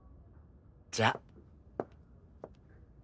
じゃあ。